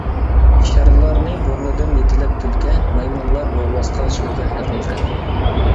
شىرلارنى بۇرنىدىن يېتىلەپ تۈلكە، مايمۇنلار يولۋاسقا سۆزلەر ھەقىقەت.